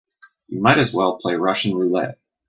You might as well play Russian roulette.